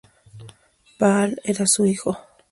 Baal era su "hijo".